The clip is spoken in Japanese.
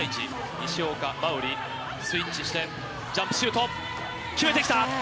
西岡、馬瓜、スイッチしてジャンプシュート、決めてきた。